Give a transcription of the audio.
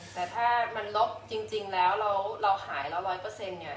แต่ถ้ามันลบจริงแล้วเราหายแล้วร้อยเปอร์เซ็นต์เนี่ย